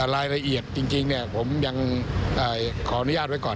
รายละเอียดจริงผมยังขออนุญาตไว้ก่อน